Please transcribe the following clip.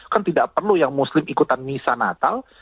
kan tidak perlu yang muslim ikutan misa natal